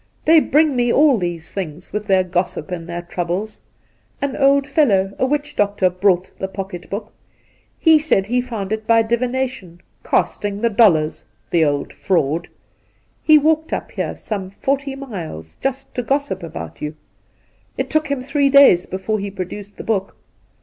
They bring me all these things, with their gossip and their troubles. An old fellow, a witch doctor, brought the pocket book. He said he found it by divination — casting the dollas ; the old fraud ! He walked up here, some forty miles, just to gossip about you. It took him three days before he produced the book.